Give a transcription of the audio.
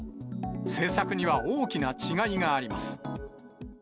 政策には大きな違いがあります。